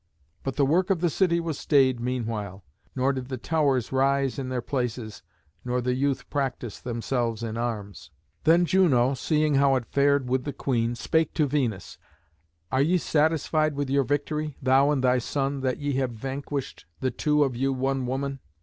But the work of the city was stayed meanwhile; nor did the towers rise in their places, nor the youth practise themselves in arms. Then Juno, seeing how it fared with the queen, spake to Venus, "Are ye satisfied with your victory, thou and thy son, that ye have vanquished the two of you one woman?